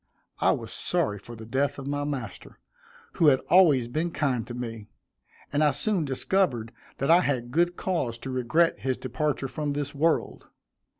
I was sorry for the death of my master, who had always been kind to me; and I soon discovered that I had good cause to regret his departure from this world.